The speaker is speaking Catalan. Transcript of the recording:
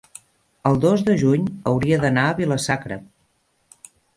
el dos de juny hauria d'anar a Vila-sacra.